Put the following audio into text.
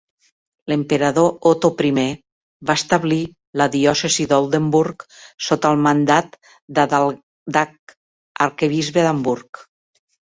L'emperador Otto I va establir la diòcesi d'Oldenburg sota el mandat d'Adaldag, arquebisbe d'Hamburg.